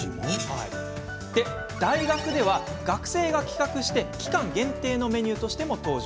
大学では学生が企画し期間限定のメニューとしても登場。